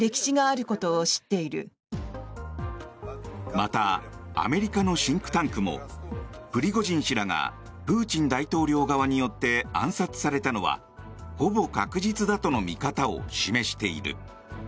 またアメリカのシンクタンクもプリゴジン氏らがプーチン大統領側によって暗殺されたのは、ほぼ確実だとの見方を示している。